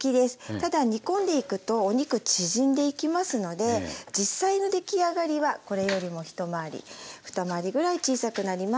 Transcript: ただ煮込んでいくとお肉縮んでいきますので実際の出来上がりはこれよりも一回り二回りぐらい小さくなります。